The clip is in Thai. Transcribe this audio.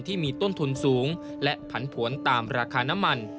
ที่มีต้นทุนสูงและผันผวนตามราคาน้ำมัน